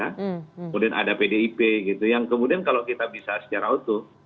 kemudian ada pdip gitu yang kemudian kalau kita bisa secara utuh